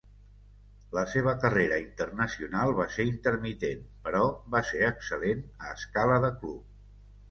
La seva carrera internacional va ser intermitent, però va ser excel·lent a escala de club.